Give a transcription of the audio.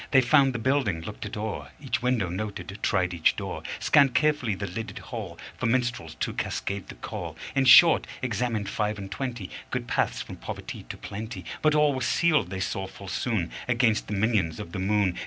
They found the building, looked it o'er, Each window noted, tried each door, Scanned carefully the lidded hole For minstrels to cascade the coal In short, examined five and twenty Good paths from poverty to plenty. But all were sealed, they saw full soon, Against the minions of the moon.